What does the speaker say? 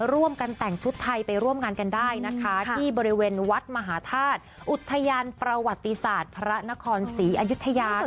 ร่วมกันแต่งชุดไทยไปร่วมงานกันได้นะคะที่บริเวณวัดมหาธาตุอุทยานประวัติศาสตร์พระนครศรีอยุธยา